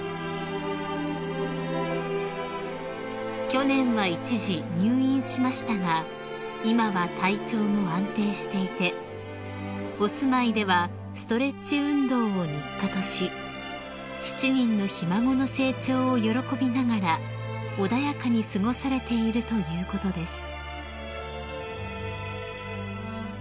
［去年は一時入院しましたが今は体調も安定していてお住まいではストレッチ運動を日課とし７人のひ孫の成長を喜びながら穏やかに過ごされているということです］